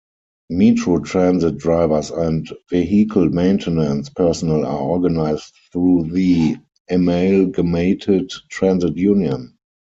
Metro Transit drivers and vehicle maintenance personnel are organized through the Amalgamated Transit Union.